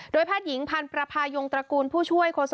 โดยพาธหญิงพันประพายงตระกูลผู้ช่วยโคสกสบคค